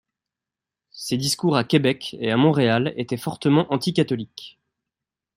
Ses discours à Québec et à Montréal étaient fortement anti-catholiques.